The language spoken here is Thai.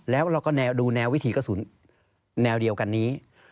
แล้วเราก็ดูแนววิถีกระสุนแนวเดียวกันนี้